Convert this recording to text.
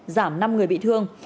giảm năm người bị thương